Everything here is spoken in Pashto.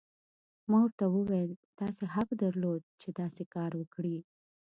ما ورته وویل: تاسي حق درلود، چې داسې کار وکړي.